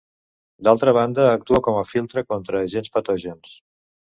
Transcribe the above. D'altra banda actua com a filtre contra agents patògens.